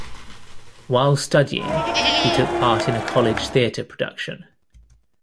While studying, he took part in a college theatre production.